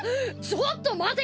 ちょっと待て！